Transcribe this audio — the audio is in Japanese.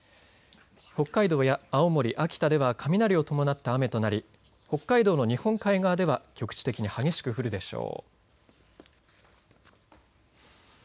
北海道や青森、秋田では雷を伴った雨となり北海道の日本海側では局地的に激しく降るでしょう。